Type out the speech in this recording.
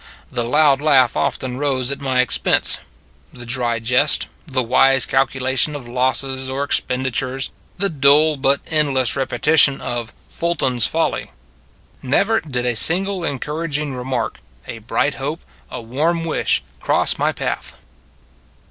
The loud laugh often rose at my expense; the dry jest ; the wise calculation of losses or expendi tures; the dull but endless repetition of " Fulton s Folly." Never did a single encouraging remark, a bright hope, a warm wish cross my path.